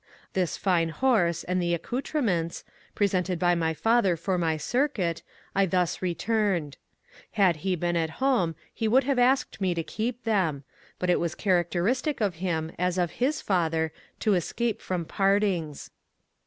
This fine horse and the accoutrements, presented by my father for my circuit, I thus returned. Had he been at home he would have asked me to WILLIAM HENRY FURNESS 129 keep them, but it was characteristic of him, as of his father, to escape from partings.